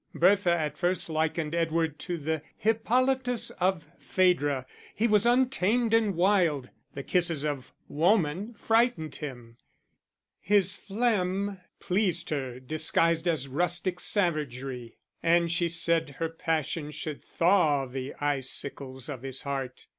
Bertha at first likened Edward to the Hippolitus of Phædra, he was untamed and wild; the kisses of woman frightened him; his phlegm pleased her disguised as rustic savagery, and she said her passion should thaw the icicles in his heart.